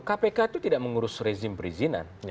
kpk itu tidak mengurus rezim perizinan